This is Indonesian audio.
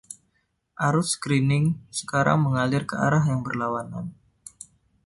Arus screening sekarang mengalir ke arah yang berlawanan.